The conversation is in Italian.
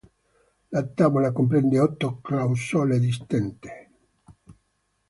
La tavola comprende otto clausole distinte.